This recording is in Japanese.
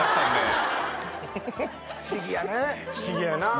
不思議やな。